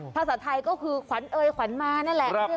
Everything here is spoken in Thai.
ภาษาไทยก็คือขวัญเอยขวัญมานั่นแหละ